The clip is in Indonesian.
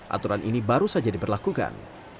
aturan ini baru saja diberlakukan